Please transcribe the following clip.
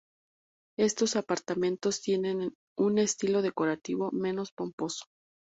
Estos apartamentos tienen un estilo decorativo menos pomposo.